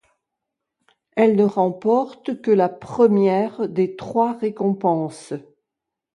Elle ne remporte que la première des trois récompenses.